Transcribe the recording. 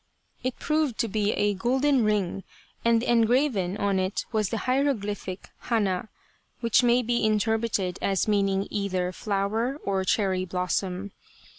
It proved to be a golden ring, and en graven on it was the hieroglyphic " Hana," which may be interpreted as meaning either " Flower " or " Cherry Blossom."